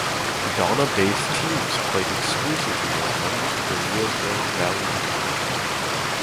Donna based teams played exclusively as members of the Rio Grande Valley League.